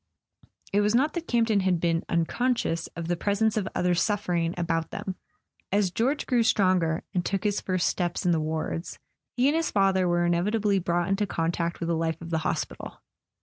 It was not that Campton had been unconscious of the presence of other suffering about them. As George grew stronger, and took his first steps in the wards, he and [ 312 ] A SON AT THE FRONT his father were inevitably brought into contact with the life of the hospital.